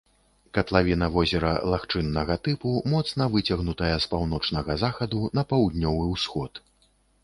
Катлавіна возера лагчыннага тыпу, моцна выцягнутая з паўночнага захаду на паўднёвы ўсход.